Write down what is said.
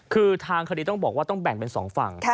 คือทางคดีต้องบอกว่าต้องแบ่งเป็น๒ฝั่ง